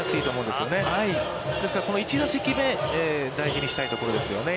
ですから、１打席目、大事にしたいところですね。